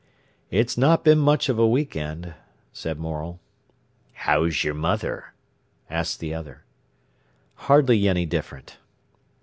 "It's not been much of a week end," said Morel. "How's your mother?" asked the other. "Hardly any different."